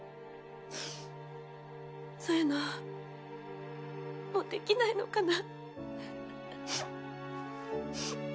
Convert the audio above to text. そういうのもうできないのかな。